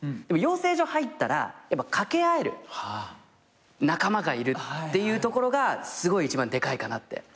でも養成所入ったら掛け合える仲間がいるっていうところがすごい一番でかいかなって。